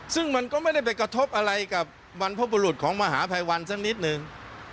ซึ่งมันก็ไม่ได้ไปกระทบอะไรกับบรรพบุรุษของมหาภัยวันสักนิดนึง